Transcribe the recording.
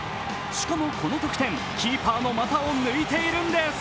しかもこの得点、キーパーの股を抜いているんです。